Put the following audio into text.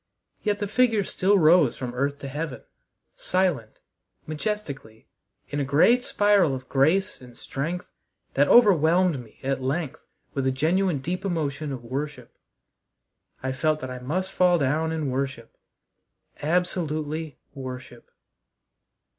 Yet the figures still rose from earth to heaven, silent, majestically, in a great spiral of grace and strength that overwhelmed me at length with a genuine deep emotion of worship. I felt that I must fall down and worship absolutely worship.